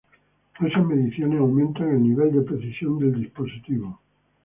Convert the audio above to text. Estas mediciones aumentan el nivel de precisión del dispositivo.